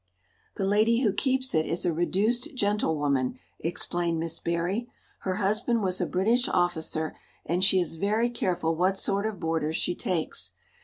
"The lady who keeps it is a reduced gentlewoman," explained Miss Barry. "Her husband was a British officer, and she is very careful what sort of boarders she takes.